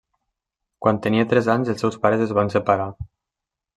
Quan tenia tres anys els seus pares es van separar.